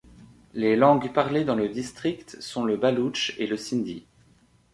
Les langues parlées dans le district sont le baloutche et le sindhi.